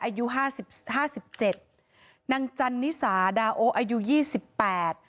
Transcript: อายุห้าสิบห้าสิบเจ็ดนางจันนิสาดาโออายุยี่สิบแปด